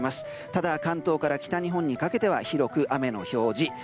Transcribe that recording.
ただ、関東から北日本にかけては広く雨の表示。